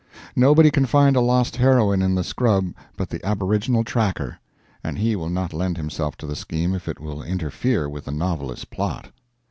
Nobody can find a lost heroine in the scrub but the aboriginal "tracker," and he will not lend himself to the scheme if it will interfere with the novelist's plot.